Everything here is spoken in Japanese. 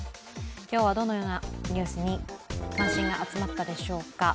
今日はどのようなニュースに関心が集まったでしょうか。